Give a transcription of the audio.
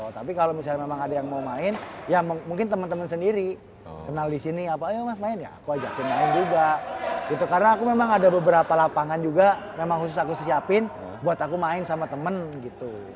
tapi kalau misalnya memang ada yang mau main ya mungkin teman teman sendiri kenal disini apa ayo mas main ya aku ajakin main juga gitu karena aku memang ada beberapa lapangan juga memang khusus aku siapin buat aku main sama temen gitu